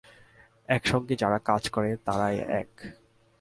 একসঙ্গে যারা কাজ করে তারাই এক।